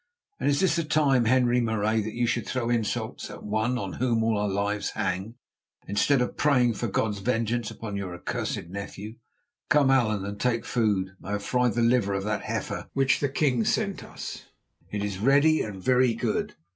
And is this a time, Henri Marais, that you should throw insults at one on whom all our lives hang, instead of praying for God's vengeance upon your accursed nephew? Come, Allan, and take food. I have fried the liver of that heifer which the king sent us; it is ready and very good.